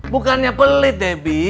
bukannya pelit debbie